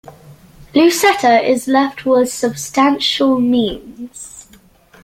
Lucetta is left with substantial means.